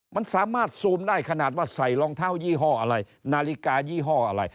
มันสามารถซูมได้ขนาดว่าใส่รองเท้ายี่ห้ออะไรนาฬิกายี่ห้ออะไร